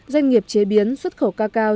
doanh nghiệp chế biến xuất khẩu ca cao